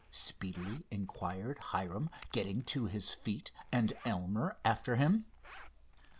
speedily inquired Hiram, getting to his feet and Elmer after him.